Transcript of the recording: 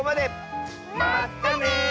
まったね！